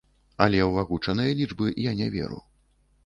Але ў агучаныя лічбы я не веру.